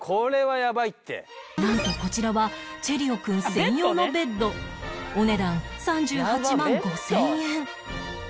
なんとこちらはチェリオくん専用のベッドお値段３８万５０００円